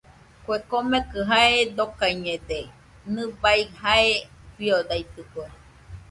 Kue komekɨ jae dokaiñede, nɨbai jae fiodaitɨkue.